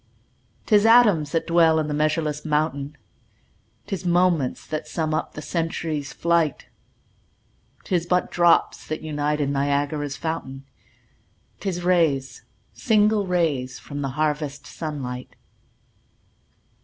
'Tis atoms that dwell in the measureless mountain, 'Tis moments that sum up the century's flight; 'Tis but drops that unite in Niagara's fountain, 'Tis rays, single rays, from the harvest sun light.